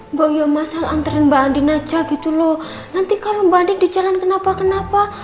mbak uya mas al anterin mbak andin aja gitu loh nanti kalau mbak andin di jalan kenapa kenapa